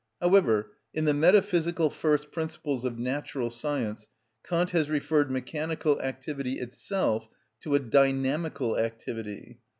However, in the "Metaphysical First Principles of Natural Science" Kant has referred mechanical activity itself to a dynamical activity.